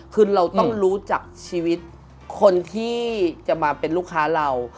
คือเราต้องรู้จักชีวิตคนที่จะมาเป็นลูกค้าเรา